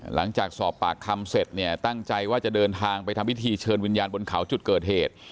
หลังจากสอบปากคำเสร็จเนี่ยตั้งใจว่าจะเดินทางไปทำพิธีเชิญวิญญาณบนเขาจุดเกิดเหตุ